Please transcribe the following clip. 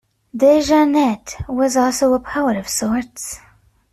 DeJarnette was also a poet of sorts.